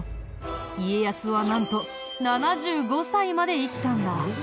家康はなんと７５歳まで生きたんだ。